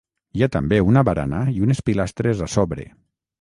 Hi ha també una barana i unes pilastres a sobre.